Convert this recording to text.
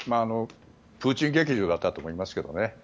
プーチン劇場だったと思いますけどね。